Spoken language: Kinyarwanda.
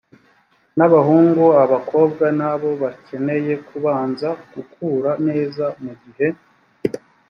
n abahungu abakobwa na bo bakeneye kubanza gukura neza mu gihe